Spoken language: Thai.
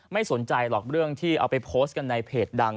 ไม่สนใจหรอกเรื่องที่เอาไปโพสต์กันในเพจดัง